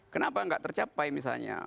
kenapa nggak tercapai misalnya